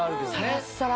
サラッサラ。